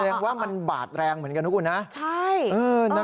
แกล้งว่ามันบาดแรงเหมือนกันอย่างนึกคุณนะ